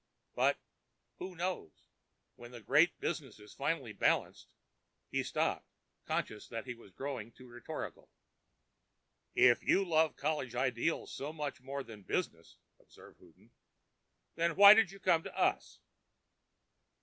But—who knows—when the Great Business is finally balanced——" He stopped, conscious that he was growing too rhetorical. "If you loved college ideals so much more than business," observed Houghton, "then why did you come to us?"